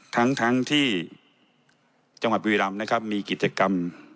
ทั้งทั้งที่จังหวัดบุรีรำนะครับมีกิจกรรม